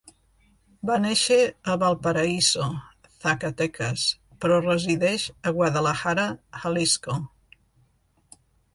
Va néixer a Valparaíso, Zacatecas, però resideix a Guadalajara, Jalisco.